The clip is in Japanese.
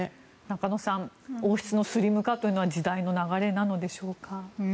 中野さん王室のスリム化というのは時代の流れなのでしょうか。